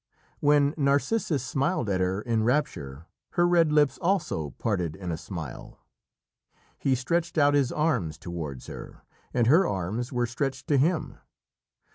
When Narcissus smiled at her in rapture, her red lips also parted in a smile. He stretched out his arms towards her, and her arms were stretched to him.